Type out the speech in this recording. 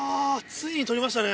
ついに撮りましたね。